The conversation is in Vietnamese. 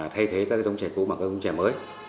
thay thế các giống chè cũ và các giống chè mới